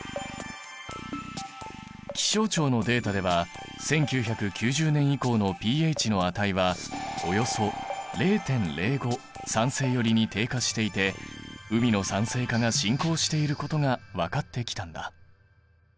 気象庁のデータでは１９９０年以降のｐＨの値はおよそ０．０５酸性寄りに低下していて海の酸性化が進行していることが分かってきたんだ。